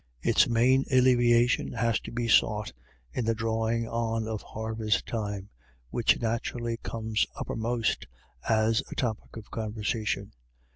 Its main alleviation has to be sought in the drawing on of harvest time, which naturally comes uppermost as a topic of con versation.